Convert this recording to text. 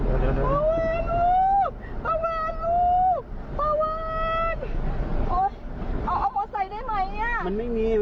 เอาเอาพอใส่ได้มั้ยเนี่ย